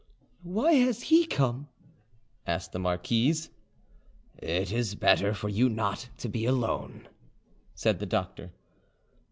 "Why has he come?" asked the marquise. "It is better for you not to be alone," said the doctor.